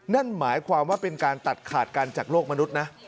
นั่นหมายความว่าเป็นการตัดขาดกันจากโลกมนุษย์นะ